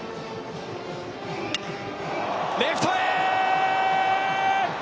レフトへー！